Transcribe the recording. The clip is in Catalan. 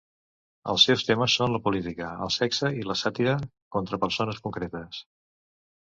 Els seus temes són la política, el sexe i la sàtira contra persones concretes.